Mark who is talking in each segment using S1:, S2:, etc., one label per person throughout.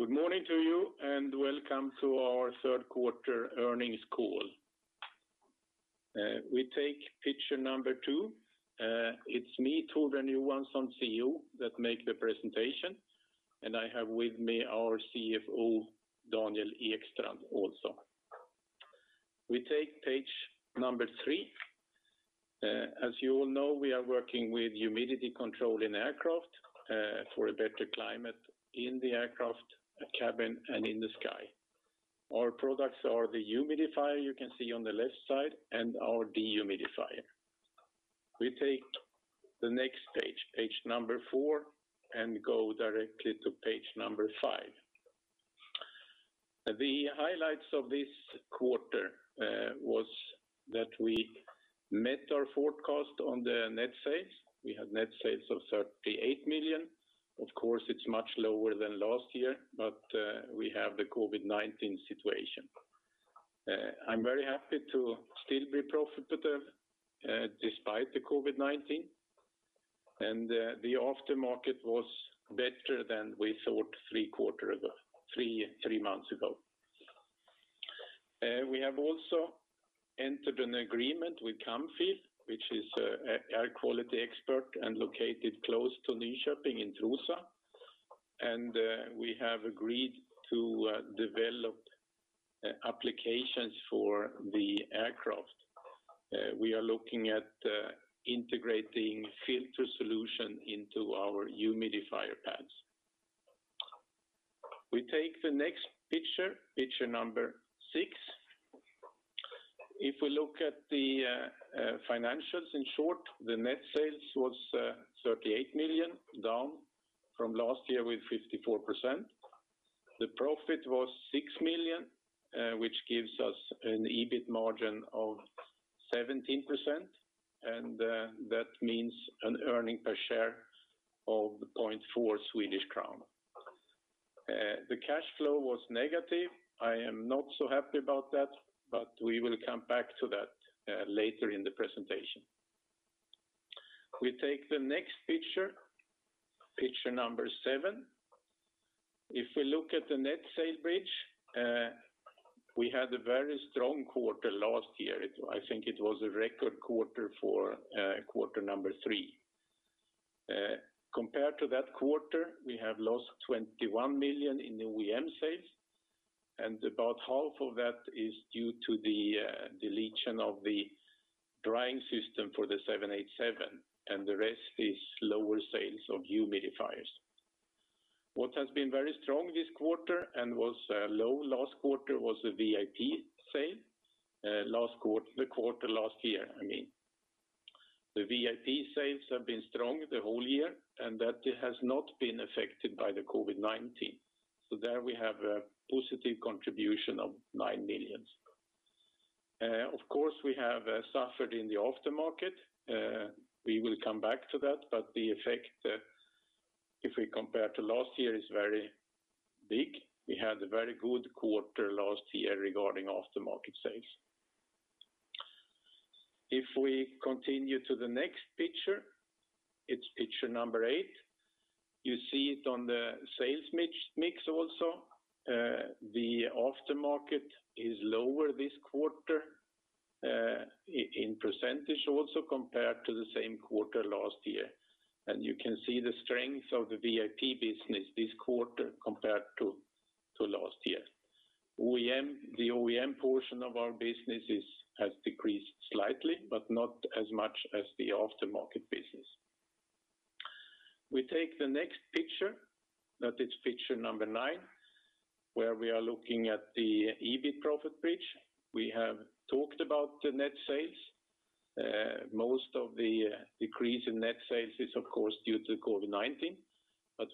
S1: Good morning to you, and welcome to our third quarter earnings call. We take picture number two. It's me, Torbjörn Johansson, CEO, that make the presentation, and I have with me our CFO, Daniel Ekstrand, also. We take page number three. As you all know, we are working with humidity control in aircraft, for a better climate in the aircraft cabin and in the sky. Our products are the humidifier you can see on the left side and our dehumidifier. We take the next page, page number four and go directly to page number five. The highlights of this quarter was that we met our forecast on the net sales. We had net sales of 38 million. Of course, it's much lower than last year, but we have the COVID-19 situation. I'm very happy to still be profitable despite the COVID-19. The aftermarket was better than we thought three months ago. We have also entered an agreement with Camfil, which is an air quality expert and located close to Linköping in Trollhättan. We have agreed to develop applications for the aircraft. We are looking at integrating filter solution into our humidifier pads. We take the next picture, picture number six. If we look at the financials, in short, the net sales was 38 million, down from last year with 54%. The profit was 6 million, which gives us an EBIT margin of 17%, and that means an earning per share of 0.4 Swedish crown. The cash flow was negative. I am not so happy about that, but we will come back to that later in the presentation. We take the next picture, picture number seven. If we look at the net sales bridge, we had a very strong quarter last year. I think it was a record quarter for quarter number three. Compared to that quarter, we have lost 21 million in OEM sales and about half of that is due to the deletion of the drying system for the 787, and the rest is lower sales of humidifiers. What has been very strong this quarter and was low last quarter was the VIP sale, the quarter last year, I mean. The VIP sales have been strong the whole year, and that has not been affected by the COVID-19. There we have a positive contribution of 9 million. Of course, we have suffered in the aftermarket. We will come back to that, the effect, if we compare to last year, is very big. We had a very good quarter last year regarding aftermarket sales. If we continue to the next picture, it's picture number eight. You see it on the sales mix also. The aftermarket is lower this quarter, in percentage also compared to the same quarter last year. You can see the strength of the VIP business this quarter compared to last year. The OEM portion of our business has decreased slightly, but not as much as the aftermarket business. We take the next picture, that is picture number nine, where we are looking at the EBIT profit bridge. We have talked about the net sales. Most of the decrease in net sales is, of course, due to COVID-19.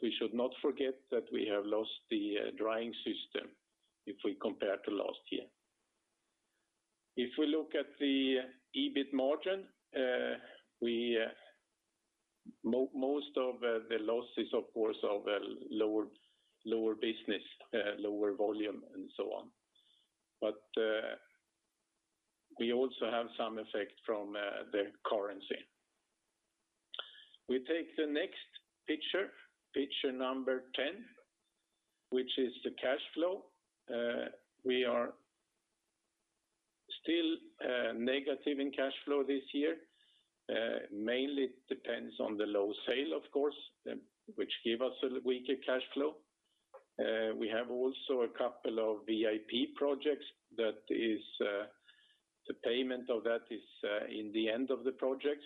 S1: We should not forget that we have lost the drying system if we compare to last year. We look at the EBIT margin, most of the loss is, of course, of lower business, lower volume and so on. We also have some effect from the currency. We take the next picture, picture number 10, which is the cash flow. We are still negative in cash flow this year. Mainly it depends on the low sale, of course, which give us a weaker cash flow. We have also a couple of VIP projects. The payment of that is in the end of the project.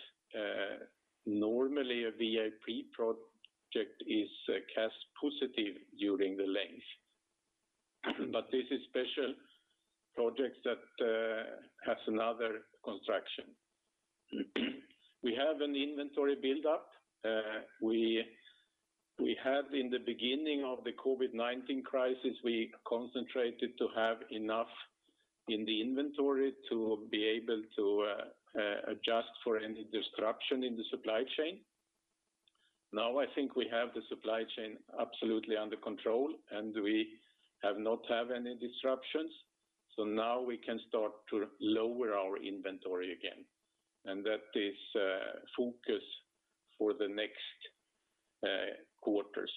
S1: Normally, a VIP project is cash positive during the length. This is special projects that has another construction. We have an inventory buildup. In the beginning of the COVID-19 crisis, we concentrated to have enough in the inventory to be able to adjust for any disruption in the supply chain. Now I think we have the supply chain absolutely under control, we have not have any disruptions. Now we can start to lower our inventory again. That is a focus for the next quarters.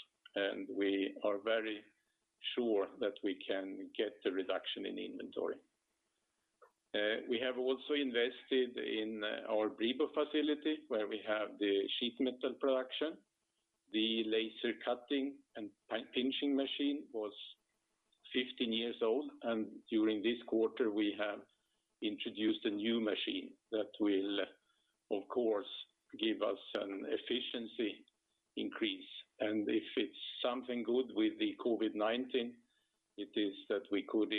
S1: We are very sure that we can get the reduction in inventory. We have also invested in our Bribo facility, where we have the sheet metal production. The laser cutting and punching machine was 15 years old, and during this quarter we have introduced a new machine that will, of course, give us an efficiency increase. If it's something good with the COVID-19, it is that we could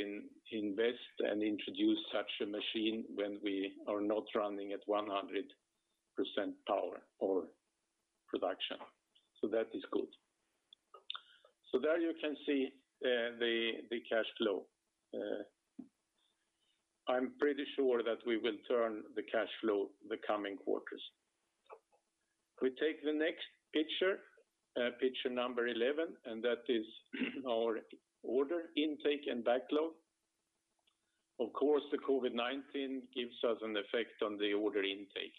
S1: invest and introduce such a machine when we are not running at 100% power or production. That is good. There you can see the cash flow. I'm pretty sure that we will turn the cash flow the coming quarters. We take the next picture, picture number 11, that is our order intake and backlog. Of course, the COVID-19 gives us an effect on the order intake.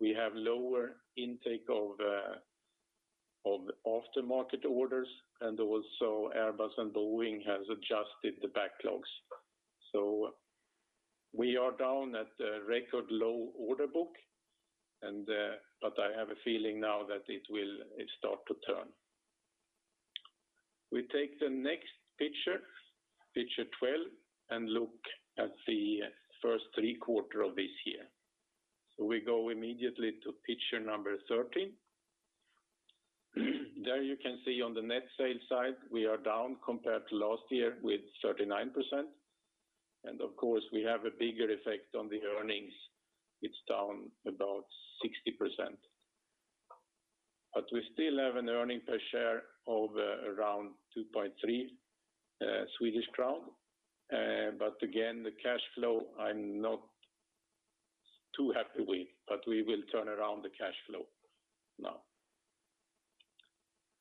S1: We have lower intake of aftermarket orders, also Airbus and Boeing has adjusted the backlogs. We are down at a record low order book, I have a feeling now that it will start to turn. We take the next picture, picture 12, look at the first three quarter of this year. We go immediately to picture number 13. There you can see on the net sales side, we are down compared to last year with 39%. Of course, we have a bigger effect on the earnings. It's down about 60%. We still have an earning per share of around 2.3 Swedish crown. Again, the cash flow, I'm not too happy with, but we will turn around the cash flow now.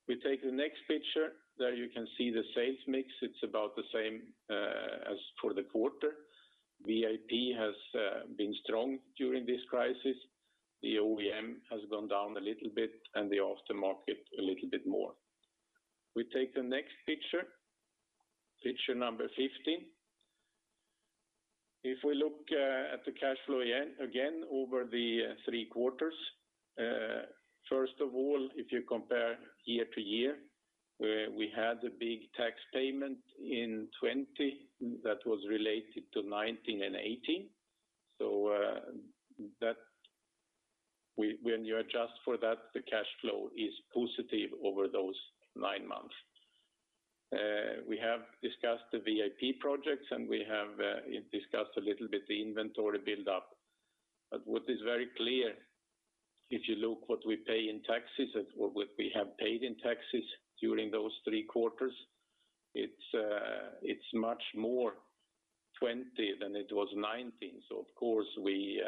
S1: We take the next picture. There you can see the sales mix. It's about the same as for the quarter. VIP has been strong during this crisis. The OEM has gone down a little bit and the aftermarket a little bit more. We take the next picture, picture number 15. If we look at the cash flow again over the three quarters, first of all, if you compare year-over-year, we had a big tax payment in 2020 that was related to 2019 and 2018. When you adjust for that, the cash flow is positive over those nine months. We have discussed the VIP projects and we have discussed a little bit the inventory buildup. What is very clear, if you look what we pay in taxes, what we have paid in taxes during those three quarters, it is much more 2020 than it was 2019. Of course, we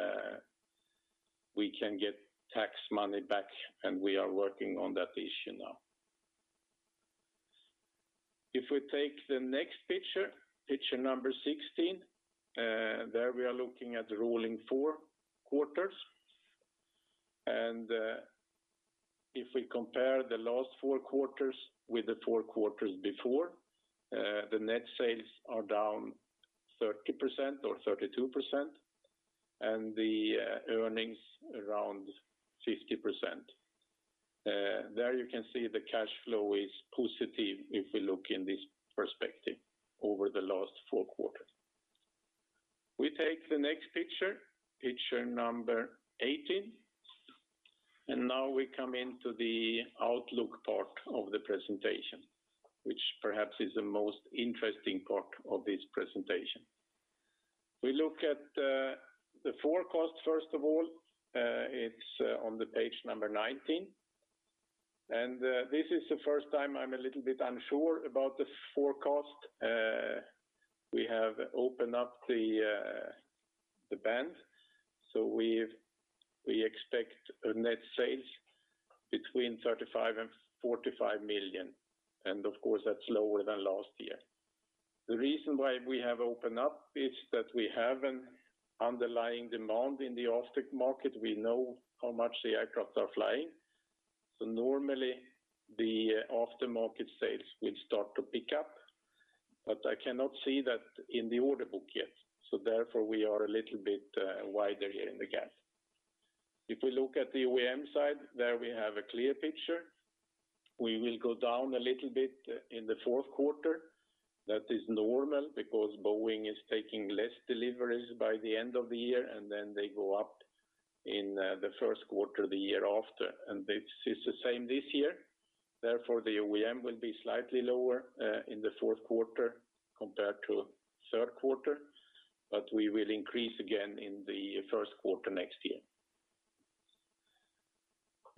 S1: can get tax money back, and we are working on that issue now. If we take the next picture, picture number 16, there we are looking at the rolling four quarters. If we compare the last four quarters with the four quarters before, the net sales are down 30% or 32%, and the earnings around 50%. There you can see the cash flow is positive if we look in this perspective over the last four quarters. We take the next picture, picture number 18. Now we come into the outlook part of the presentation, which perhaps is the most interesting part of this presentation. We look at the forecast, first of all. It's on page number 19. This is the first time I'm a little bit unsure about the forecast. We have opened up the band, so we expect net sales between 35 million and 45 million. Of course, that's lower than last year. The reason why we have opened up is that we have an underlying demand in the aftermarket. We know how much the aircraft are flying. Normally, the aftermarket sales will start to pick up, but I cannot see that in the order book yet. Therefore, we are a little bit wider here in the gap. If we look at the OEM side, there we have a clear picture. We will go down a little bit in the fourth quarter. That is normal because Boeing is taking less deliveries by the end of the year, and then they go up in the first quarter the year after. This is the same this year. Therefore, the OEM will be slightly lower in the fourth quarter compared to third quarter, but we will increase again in the first quarter next year.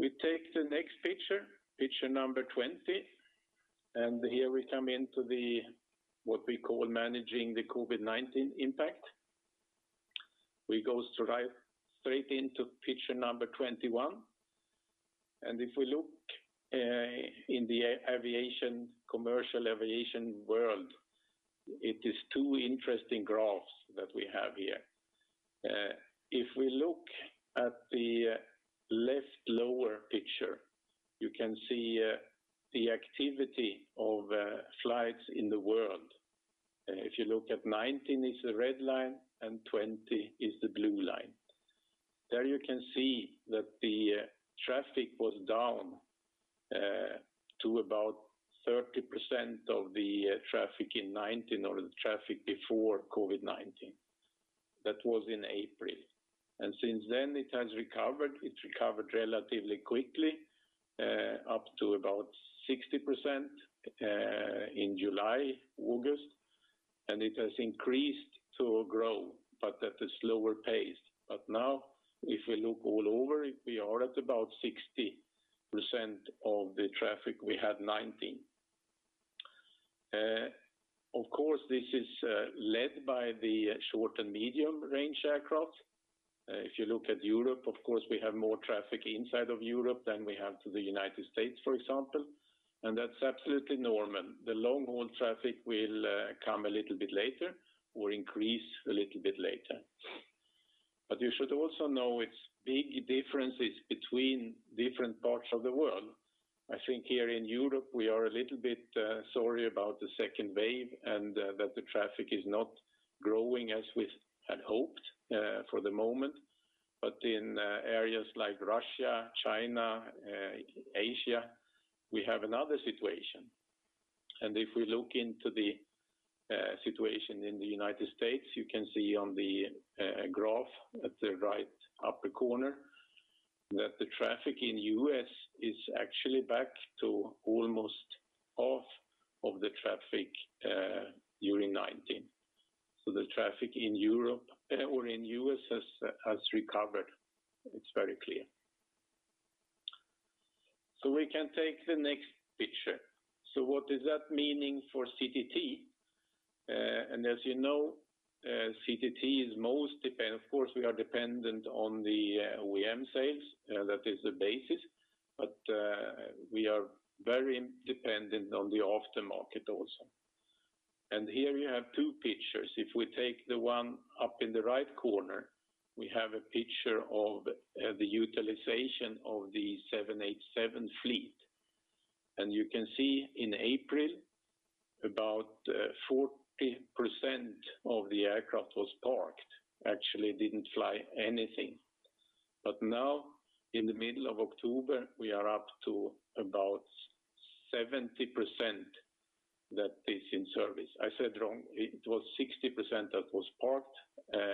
S1: We take the next picture, picture number 20, and here we come into the, what we call managing the COVID-19 impact. We go straight into picture number 21. If we look in the commercial aviation world, it is two interesting graphs that we have here. If we look at the left lower picture, you can see the activity of flights in the world. If you look at 2019 is the red line and 2020 is the blue line. There you can see that the traffic was down to about 30% of the traffic in 2019 or the traffic before COVID-19. That was in April. Since then, it has recovered. It recovered relatively quickly, up to about 60% in July, August, and it has increased to grow, but at a slower pace. Now if we look all over, we are at about 60% of the traffic we had in 2019. Of course, this is led by the short and medium-range aircraft. If you look at Europe, of course, we have more traffic inside of Europe than we have to the United States, for example, and that's absolutely normal. The long-haul traffic will come a little bit later or increase a little bit later. You should also know it's big differences between different parts of the world. I think here in Europe, we are a little bit sorry about the second wave and that the traffic is not growing as we had hoped for the moment. In areas like Russia, China, Asia, we have another situation. If we look into the situation in the United States, you can see on the graph at the right upper corner that the traffic in the U.S. is actually back to almost half of the traffic during 2019. The traffic in U.S. has recovered. It is very clear. We can take the next picture. What does that meaning for CTT? As you know, of course, we are dependent on the OEM sales. That is the basis. We are very dependent on the aftermarket also. Here you have two pictures. We take the one up in the right corner, we have a picture of the utilization of the 787 fleet. You can see in April, about 40% of the aircraft was parked, actually didn't fly anything. Now in the middle of October, we are up to about 70% that is in service. I said wrong. It was 60% that was parked,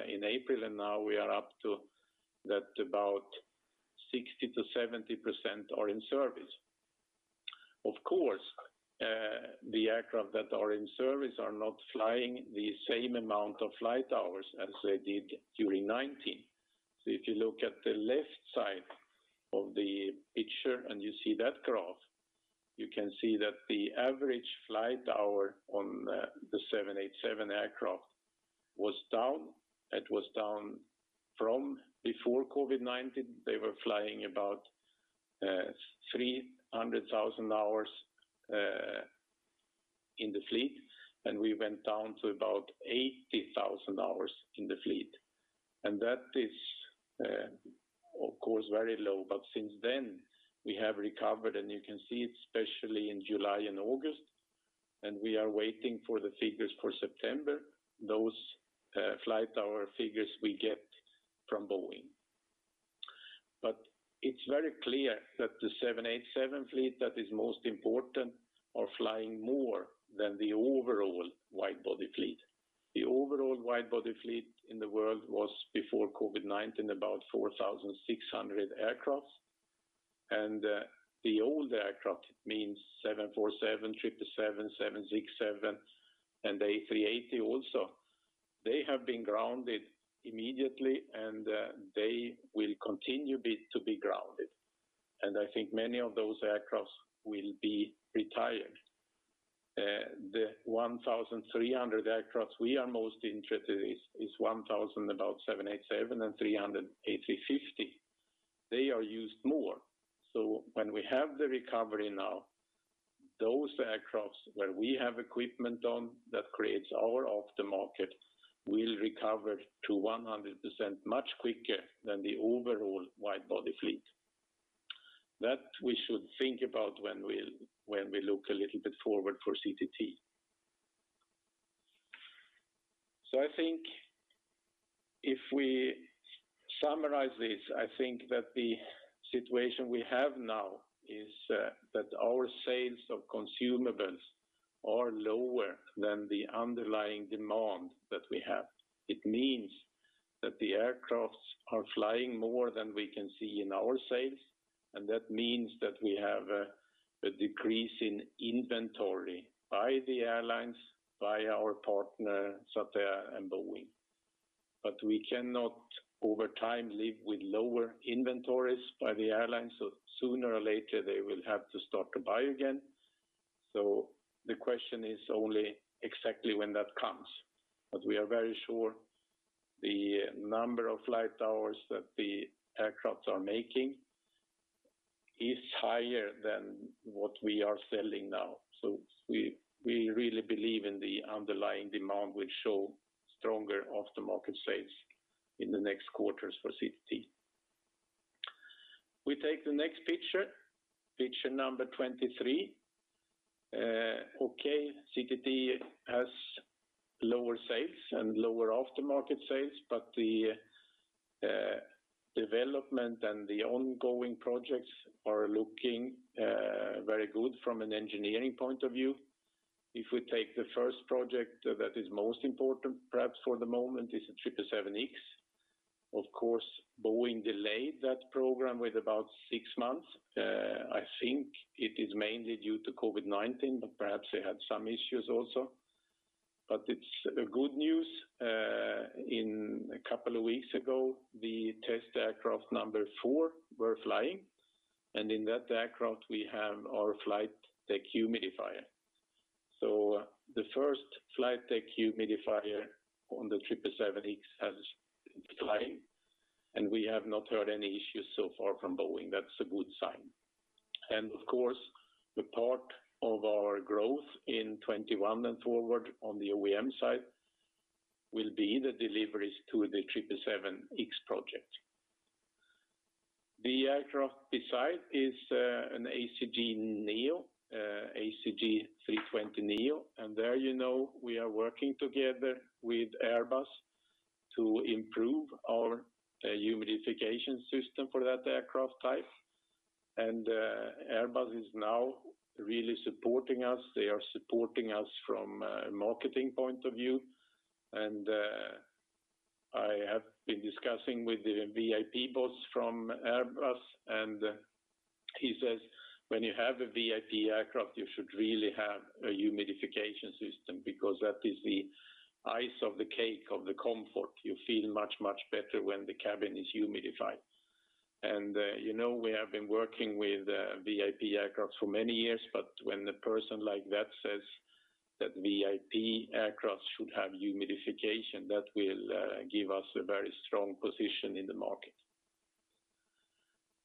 S1: in April, now we are up to that about 60%-70% are in service. Of course, the aircraft that are in service are not flying the same amount of flight hours as they did during 2019. If you look at the left side of the picture and you see that graph, you can see that the average flight hour on the 787 aircraft was down. It was down from before COVID-19. They were flying about 300,000 hours in the fleet, and we went down to about 80,000 hours in the fleet. That is, of course, very low. Since then, we have recovered, and you can see it, especially in July and August. We are waiting for the figures for September. Those flight hour figures we get from Boeing. It's very clear that the 787 fleet that is most important are flying more than the overall wide-body fleet. The overall wide-body fleet in the world was, before COVID-19, about 4,600 aircraft. The old aircraft, it means 747, 777, 767, and the A380 also, they have been grounded immediately, and they will continue to be grounded. I think many of those aircraft will be retired. The 1,300 aircraft we are most interested in is 1,000, about 787 and 300 A350. They are used more. When we have the recovery now, those aircraft where we have equipment on that creates our aftermarket, will recover to 100% much quicker than the overall wide-body fleet. That we should think about when we look a little bit forward for CTT. I think if we summarize this, the situation we have now is that our sales of consumables are lower than the underlying demand that we have. It means that the aircraft are flying more than we can see in our sales, and that means that we have a decrease in inventory by the airlines, by our partner, Satair and Boeing. We cannot, over time, live with lower inventories by the airlines. Sooner or later, they will have to start to buy again. The question is only exactly when that comes. We are very sure the number of flight hours that the aircrafts are making is higher than what we are selling now. We really believe in the underlying demand will show stronger after-market sales in the next quarters for CTT. We take the next picture, picture number 23. Okay, CTT has lower sales and lower after-market sales, but the development and the ongoing projects are looking very good from an engineering point of view. If we take the first project that is most important, perhaps for the moment, is the 777X. Of course, Boeing delayed that program with about six months. I think it is mainly due to COVID-19, but perhaps they had some issues also. It's good news. A couple of weeks ago, the test aircraft four were flying, and in that aircraft, we have our flight deck humidifier. The first flight deck humidifier on the 777X has been flying, and we have not heard any issues so far from Boeing. That's a good sign. Of course, the part of our growth in 2021 and forward on the OEM side will be the deliveries to the 777X project. The aircraft beside is an ACJneo, ACJ320neo, and there you know we are working together with Airbus to improve our humidification system for that aircraft type. Airbus is now really supporting us. They are supporting us from a marketing point of view, and I have been discussing with the VIP boss from Airbus, and he says, when you have a VIP aircraft, you should really have a humidification system because that is the icing on the cake, of the comfort. You feel much better when the cabin is humidified. We have been working with VIP aircraft for many years, but when a person like that says that VIP aircraft should have humidification, that will give us a very strong position in the market.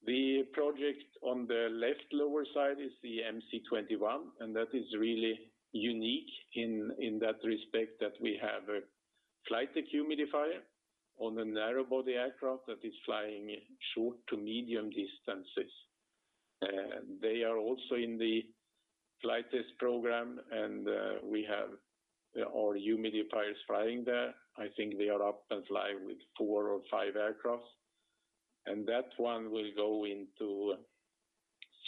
S1: The project on the left lower side is the MC-21, and that is really unique in that respect that we have a flight deck humidifier on the narrow body aircraft that is flying short to medium distances. They are also in the flight test program, and we have our humidifiers flying there. I think they are up and flying with four or five aircraft. That one will go into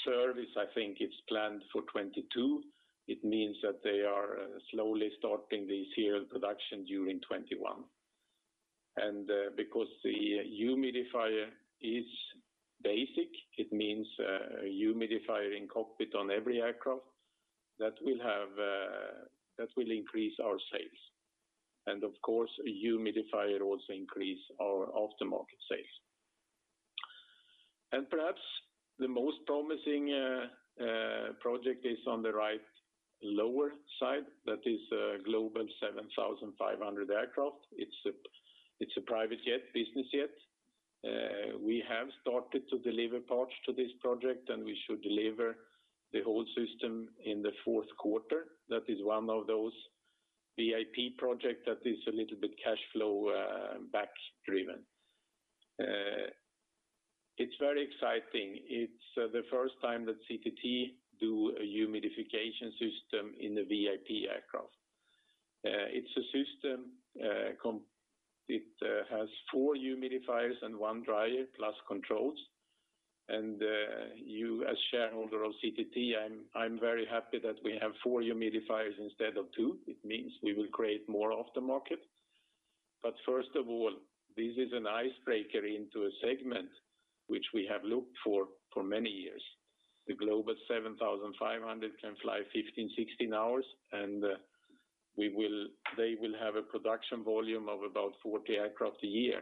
S1: service. I think it's planned for 2022. It means that they are slowly starting the serial production during 2021. Because the humidifier is basic, it means a humidifier in cockpit on every aircraft. That will increase our sales. Of course, a humidifier also increase our after-market sales. Perhaps the most promising project is on the right lower side. That is Global 7500 aircraft. It's a private jet, business jet. We have started to deliver parts to this project, and we should deliver the whole system in the fourth quarter. That is one of those VIP project that is a little bit cashflow back driven. It's very exciting. It's the first time that CTT do a humidification system in a VIP aircraft. It's a system. It has four humidifiers and one dryer, plus controls. You as shareholder of CTT, I'm very happy that we have four humidifiers instead of two. It means we will create more aftermarket. First of all, this is an icebreaker into a segment which we have looked for many years. The Global 7500 can fly 15, 16 hours. They will have a production volume of about 40 aircraft a year.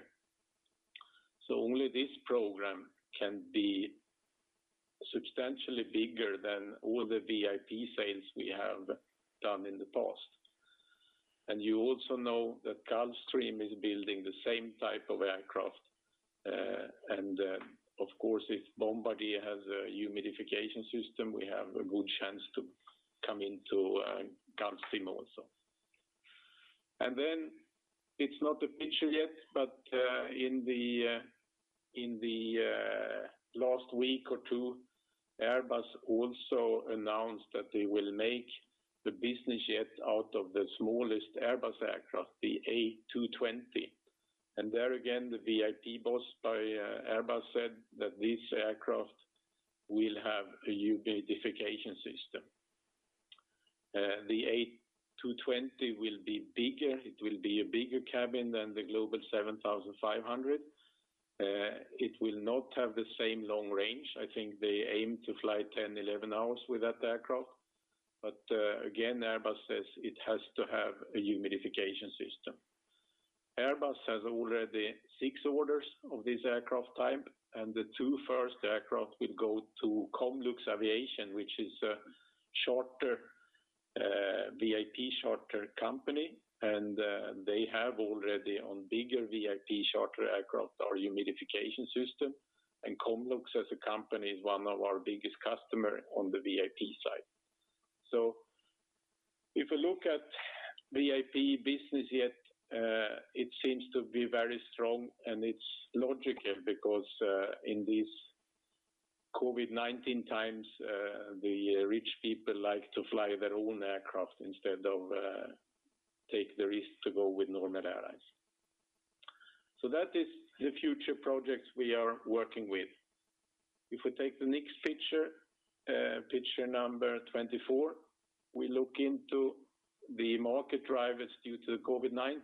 S1: Only this program can be substantially bigger than all the VIP sales we have done in the past. You also know that Gulfstream is building the same type of aircraft. Of course, if Bombardier has a humidification system, we have a good chance to come into Gulfstream also. It's not a picture yet, but in the last week or two, Airbus also announced that they will make the business jet out of the smallest Airbus aircraft, the A220. There again, the VIP boss by Airbus said that this aircraft will have a humidification system. The A220 will be bigger. It will be a bigger cabin than the Global 7500. It will not have the same long range. I think they aim to fly 10, 11 hours with that aircraft. Again, Airbus says it has to have a humidification system. Airbus has already six orders of this aircraft type, and the two first aircraft will go to Comlux Aviation, which is a VIP charter company. They have already on bigger VIP charter aircraft, our humidification system. Comlux as a company is one of our biggest customer on the VIP side. If you look at VIP business jet, it seems to be very strong and it's logical because in these COVID-19 times, the rich people like to fly their own aircraft instead of take the risk to go with normal airlines. That is the future projects we are working with. If we take the next picture, picture number 24, we look into the market drivers due to the COVID-19.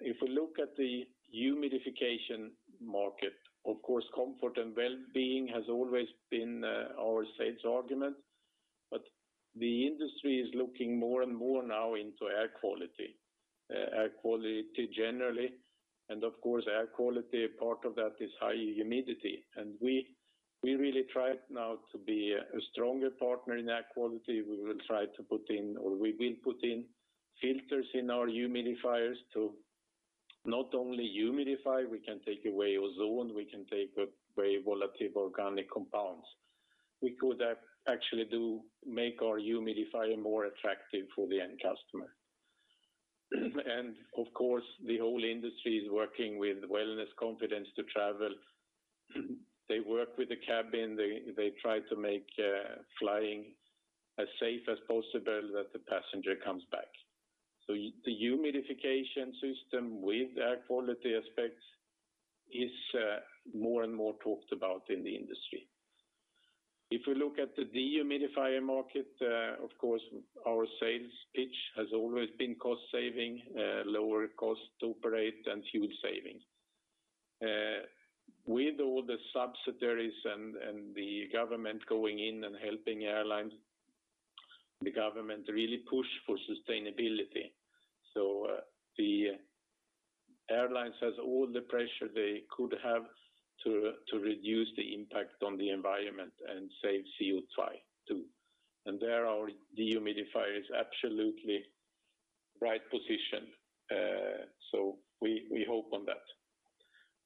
S1: If we look at the humidification market, of course, comfort and wellbeing has always been our sales argument. The industry is looking more and more now into air quality. Air quality generally, and of course, air quality, part of that is high humidity. We really try now to be a stronger partner in air quality. We will try to put in, or we will put in filters in our humidifiers to not only humidify, we can take away ozone, we can take away volatile organic compounds. We could actually do make our humidifier more attractive for the end customer. Of course, the whole industry is working with wellness confidence to travel. They work with the cabin. They try to make flying as safe as possible that the passenger comes back. The humidification system with air quality aspects is more and more talked about in the industry. If we look at the dehumidifier market, of course, our sales pitch has always been cost saving, lower cost to operate, and fuel savings. With all the subsidiaries and the government going in and helping airlines, the government really push for sustainability. The airlines has all the pressure they could have to reduce the impact on the environment and save CO2 too. There our dehumidifier is absolutely right positioned. We hope on that.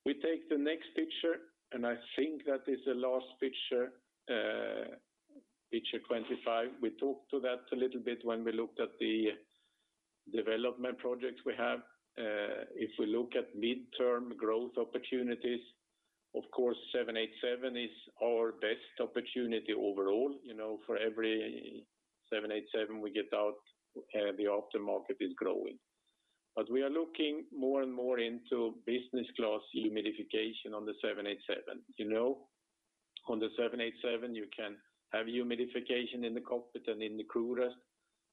S1: We take the next picture, and I think that is the last picture, picture 25. We talked to that a little bit when we looked at the development projects we have. If we look at midterm growth opportunities, of course, 787 is our best opportunity overall. For every 787 we get out, the aftermarket is growing. We are looking more and more into business class humidification on the 787. On the 787, you can have humidification in the cockpit and in the crew rest,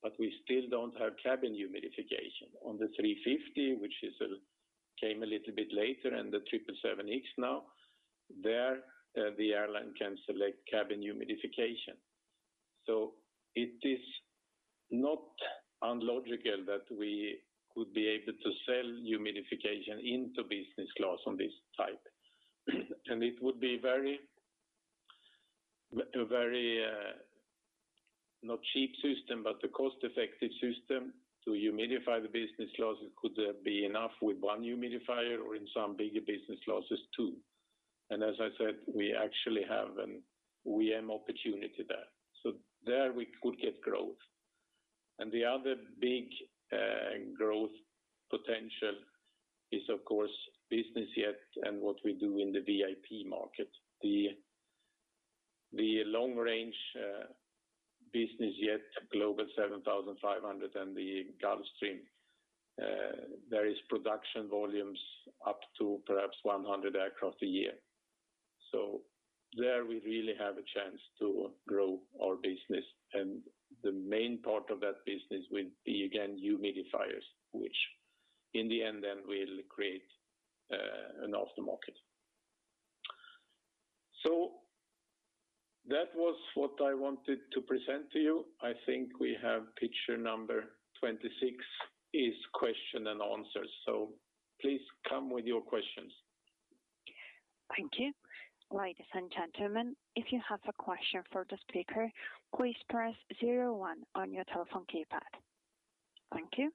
S1: but we still don't have cabin humidification. On the A350, which came a little bit later and the 777X now, there, the airline can select cabin humidification. It is not illogical that we could be able to sell humidification into business class on this type. It would be very, not cheap system, but a cost-effective system to humidify the business classes. Could be enough with one humidifier or in some bigger business classes, two. As I said, we actually have an OEM opportunity there. There we could get growth. The other big growth potential is of course, business jet and what we do in the VIP market. The long range business jet, Global 7500 and the Gulfstream. There is production volumes up to perhaps 100 aircraft a year. There we really have a chance to grow our business. The main part of that business will be again, humidifiers, which in the end then will create an aftermarket. That was what I wanted to present to you. I think we have picture number 26 is question and answers. Please come with your questions.
S2: Thank you. Ladies and gentlemen, if you have a question for the speaker, please press zero one on your telephone keypad. Thank you.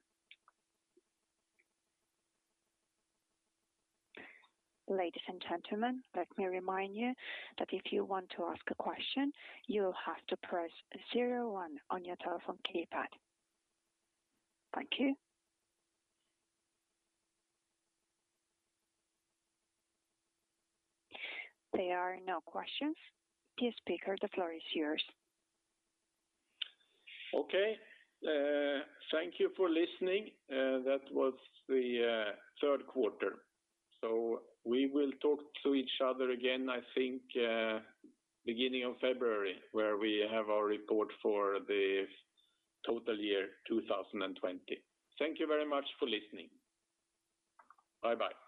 S2: Ladies and gentlemen, let me remind you that if you want to ask a question, you will have to press zero one on your telephone keypad. Thank you. There are no questions. Dear speaker, the floor is yours.
S1: Okay. Thank you for listening. That was the third quarter. We will talk to each other again, I think, beginning of February, where we have our report for the total year 2020. Thank you very much for listening. Bye-bye.